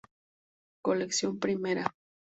Colección Primera.